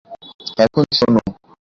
এখন, শোনো।